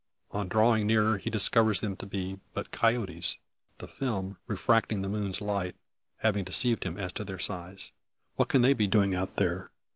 On drawing nearer, he discovers them to be but coyotes; the film, refracting the moon's light, having deceived him as to their size. What can they be doing out there?